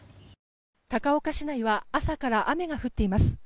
高岡市内は朝から雨が降っています。